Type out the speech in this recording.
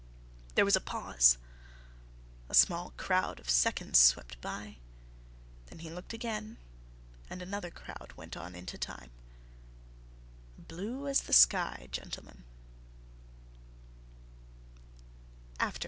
There was a pause... a small crowd of seconds swept by... then he looked again and another crowd went on into time. "Blue as the sky, gentlemen...."